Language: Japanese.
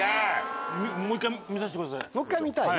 もう１回見させてください。